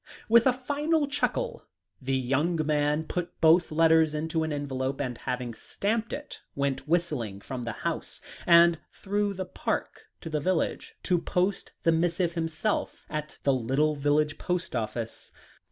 With a final chuckle, the young man put both letters into an envelope, and having stamped it, went whistling from the house, and through the park to the village, to post the missive himself at the little village post office.